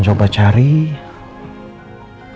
dan mencari penyelesaian